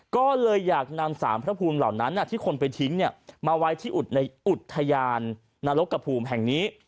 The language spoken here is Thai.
ก็เลยอยากนำสารพระภูมิเหล่านั้นที่คนไปทิ้งมาไว้ที่อุดในอุทยานนรกกระภูมิแห่งนี้